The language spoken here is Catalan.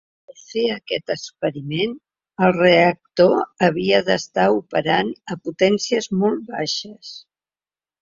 Per fer aquest experiment, el reactor havia d’estar operant a potències molt baixes.